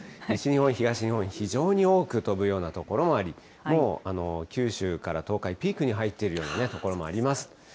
西日本、東日本、非常に多く飛ぶような所もあり、もう九州から東海、ピークに入っているような所もあります。